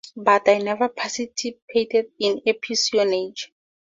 But I never participated in espionage.